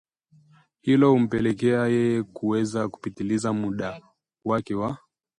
Hilo humpelekea yeye kuweza kupatiliza muda wake wa